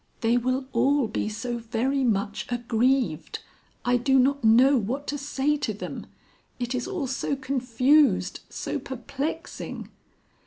"They will all be so very much aggrieved. I do not know what to say to them. It is all so confused, so perplexing."